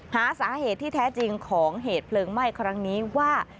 หาสาเหตุที่แท้จริงของเหตุเพลิงไหม้ครั้งนี้ว่า